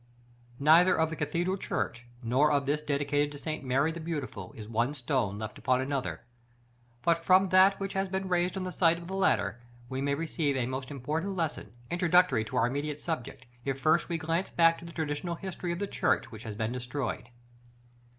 Neither of the cathedral church, nor of this dedicated to St. Mary the Beautiful, is one stone left upon another. But, from that which has been raised on the site of the latter, we may receive a most important lesson, introductory to our immediate subject, if first we glance back to the traditional history of the church which has been destroyed.